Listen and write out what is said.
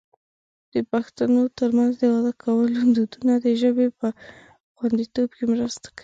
د پښتنو ترمنځ د واده کولو دودونو د ژبې په خوندیتوب کې مرسته کړې.